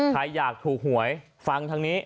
ใครอยากถูกหวยฟังทางนี้